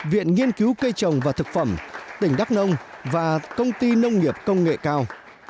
viện nghiên cứu cây trồng và thực phẩm tỉnh đắk nông và công ty nông nghiệp công nghệ cao